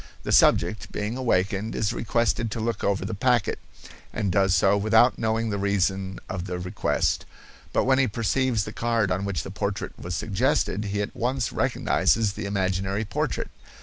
The subject, being awakened, is requested to look over the packet, and does so without knowing the reason of the request, but when he perceives the card on which the portrait was suggested, he at once recognizes the imaginary portrait.